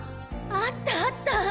あったあった！